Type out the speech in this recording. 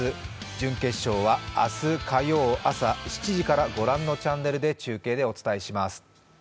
準決勝は明日火曜朝７時からご覧のチャンネルで中継でお伝えします。